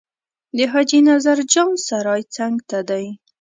د حاجي نظر جان سرای څنګ ته دی.